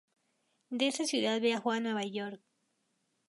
De esa ciudad, viajó a Nueva York.